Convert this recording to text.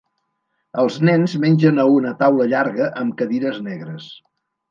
Els nens mengen a una taula llarga amb cadires negres.